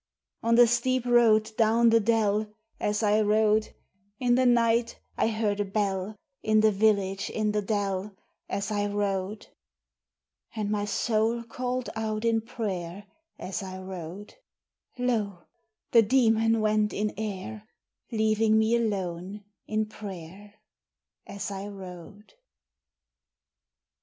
On the steep road down the dell, As I rode, In the night I heard a bell, In the village in the dell, As I rode. And my soul called out in prayer, As I rode, Lo! the demon went in air, Leaving me alone in prayer, As I rode.